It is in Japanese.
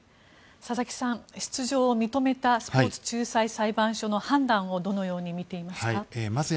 佐々木さん、出場を認めたスポーツ仲裁裁判所の判断をどのように見ていますか？